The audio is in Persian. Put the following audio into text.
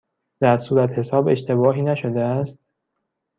در صورتحساب اشتباهی نشده است؟